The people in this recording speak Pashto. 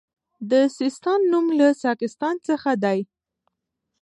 د سیستان نوم له ساکستان څخه دی